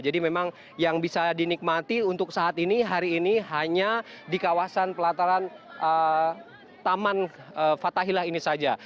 jadi memang yang bisa dinikmati untuk saat ini hari ini hanya di kawasan pelataran taman fathahillah ini saja